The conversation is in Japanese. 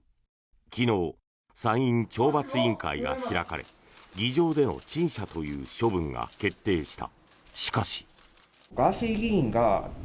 昨日、参院懲罰委員会が開かれ議場での陳謝という処分が決定した。